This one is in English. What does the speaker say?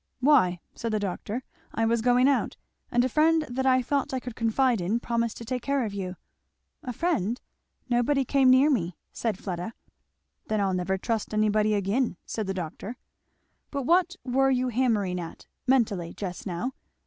"Why," said the doctor, "I was going out, and a friend that I thought I could confide in promised to take care of you." "A friend! Nobody came near me," said Fleda. "Then I'll never trust anybody again," said the doctor. "But what were you hammering at, mentally, just now?